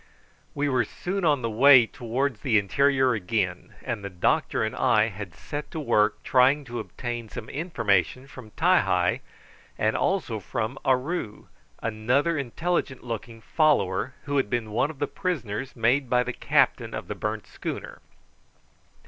We were soon on the way towards the interior again, and the doctor and I had set to work trying to obtain some information from Ti hi, and also from Aroo, another intelligent looking follower who had been one of the prisoners made by the captain of the burnt schooner.